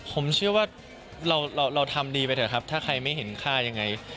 ผมเชื่อว่าเราเราทำดีไปเถอะครับถ้าใครไม่เห็นค่ายังไง